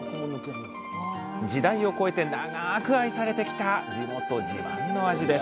時代を超えて長く愛されてきた地元自慢の味です